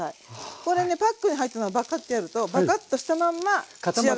これねパックに入ったままバカッてやるとバカッとしたまんま固まったまんま。